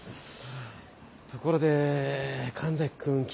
ところで神崎君。